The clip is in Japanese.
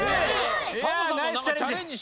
いやナイスチャレンジ！